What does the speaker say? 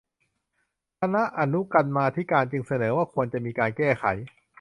คณะอนุกรรมาธิการจึงเสนอว่าควรจะมีการแก้ไข